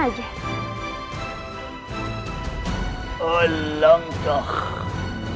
apakah salah ucapanmu ini